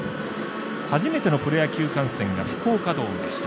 初めてのプロ野球観戦が福岡ドームでした。